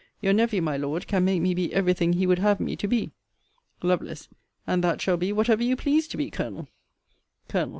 Your nephew, my Lord, can make me be every thing he would have me to be. Lovel. And that shall be, whatever you please to be, Colonel. Col.